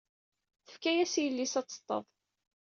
Tefka-yas i yelli-s ad teṭṭeḍ.